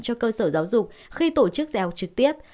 cho cơ sở giáo dục khi tổ chức dạy học trực tiếp